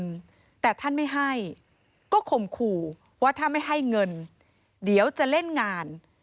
แต่ท่านไม่ให้ก็ข่มขู่ว่าถ้าไม่ให้เงินเดี๋ยวจะเล่นงาน